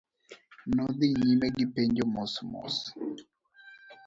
Nodhi nyime gipenjo mos mos.